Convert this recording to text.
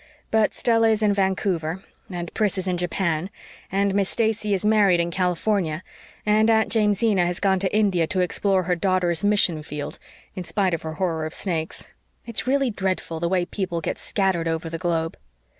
But Stella is in Vancouver, and Pris is in Japan, and Miss Stacey is married in California, and Aunt Jamesina has gone to India to explore her daughter's mission field, in spite of her horror of snakes. It's really dreadful the way people get scattered over the globe."